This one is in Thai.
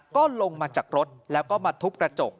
ก็ลงมาจากรถแล้วก็มาทุบกระจก